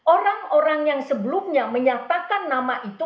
orang orang yang sebelumnya menyatakan nama itu